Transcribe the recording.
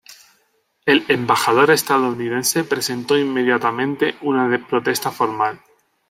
El embajador estadounidense presentó inmediatamente una protesta formal.